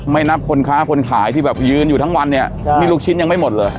นับคนค้าคนขายที่แบบยืนอยู่ทั้งวันเนี่ยนี่ลูกชิ้นยังไม่หมดเลย